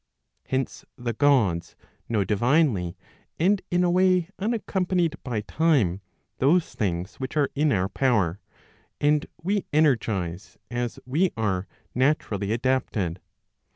Hence the Gods know divinely, and in a way unaccom¬ panied by time those things which are in our power, and we energize, as we are naturally adapted.